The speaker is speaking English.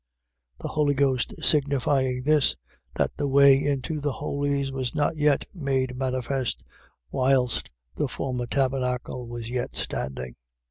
The Holy Ghost signifying this: That the way into the Holies was not yet made manifest, whilst the former tabernacle was yet standing.